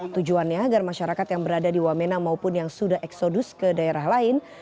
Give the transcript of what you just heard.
tujuannya agar masyarakat yang berada di wamena maupun yang sudah eksodus ke daerah lain